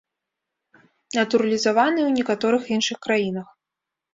Натуралізаваны ў некаторых іншых краінах.